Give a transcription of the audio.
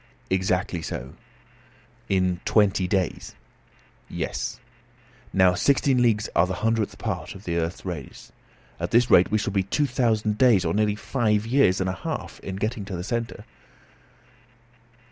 "Exactly so." "In twenty days?" "Yes." "Now, sixteen leagues are the hundredth part of the earth's radius. At this rate we shall be two thousand days, or nearly five years and a half, in getting to the centre."